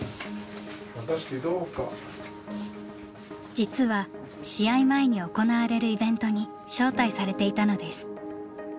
実は試合前に行われるイベントに招待されていたのです。